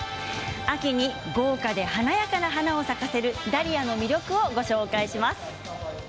秋に豪華で華やかな花を咲かせるダリアの魅力をご紹介します。